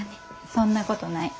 そんなことない。